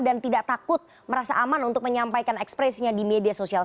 dan tidak takut merasa aman untuk menyampaikan ekspresinya di media sosial